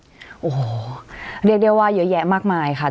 โอ้โหเรียกได้ว่าเยอะแยะมากมายค่ะ